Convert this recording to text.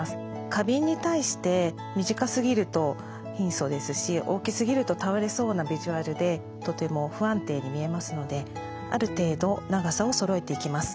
花瓶に対して短すぎると貧相ですし大きすぎると倒れそうなビジュアルでとても不安定に見えますのである程度長さをそろえていきます。